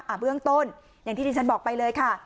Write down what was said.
เบื้องต้นอย่างที่ที่ฉันบอกไปเลยค่ะ